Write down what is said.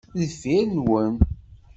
Deffir-nwen.